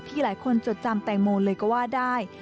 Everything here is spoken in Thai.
หลายคนจดจำแตงโมเลยก็ว่าได้